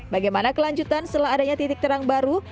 bagaimana kelanjutan setelah adanya titik terang baru